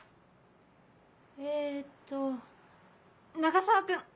えっと永沢君！